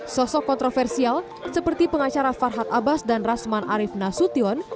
sosok kontroversial seperti pengacara farhad abbas dan rasman arief nasution